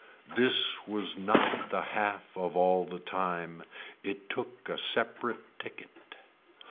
This was not the half of all the time. It took a separate ticket.